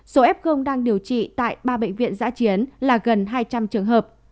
số f đang điều trị tại ba bệnh viện giã chiến là gần hai trăm linh trường hợp